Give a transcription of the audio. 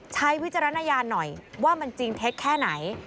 วิจารณญาณหน่อยว่ามันจริงเท็จแค่ไหน